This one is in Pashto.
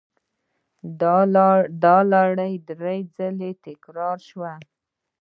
دا لړۍ درې ځله تکرار شوه.